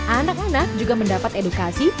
anak anak juga mendapat edukasi